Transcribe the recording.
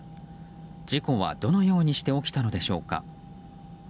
事故はどのようにして起きたのでしょうか。